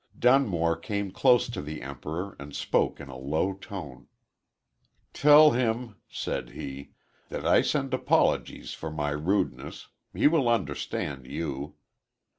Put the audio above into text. Dunmore came close to the Emperor and spoke in a low tone. "Tell him," said he, "that I send apologies for my rudeness he will understand you.